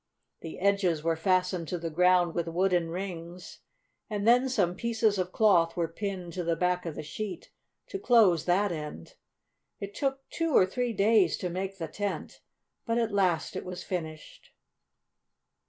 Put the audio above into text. The edges were fastened to the ground with wooden rings, and then some pieces of cloth were pinned to the back of the sheet to close that end. It took two or three days to make the tent, but at last it was finished.